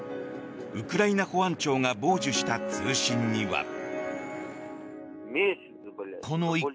ウクライナ保安庁が傍受した通信には。